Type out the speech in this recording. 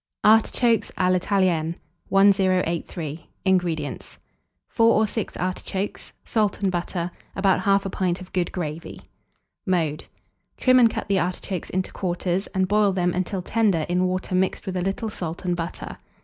ARTICHOKES A L'ITALIENNE. 1083. INGREDIENTS. 4 or 6 artichokes, salt and butter, about 1/2 pint of good gravy. Mode. Trim and cut the artichokes into quarters, and boil them until tender in water mixed with a little salt and butter.